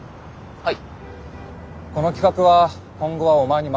はい！